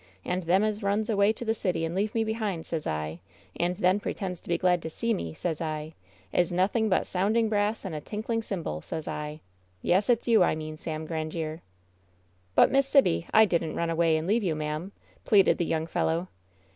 And them as runs away to the city and leave me behind, sez I, and then, pretends to be glad to see me, sez I, is nothing but ^sounding brass and a tinkling cymbal,^ sez I. Yes, it's you I mean, Sam Qrandiere I" "But, Miss Sibby, I didn't run away and leare you, ma'am," pleaded the young fellow.